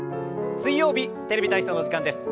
水曜日「テレビ体操」の時間です。